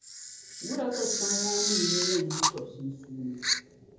Wula ka kpiɔŋlaannim’ lee yɛn lu tɔb’ sunsuuni?